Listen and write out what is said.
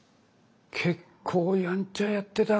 結構やんちゃやってたか。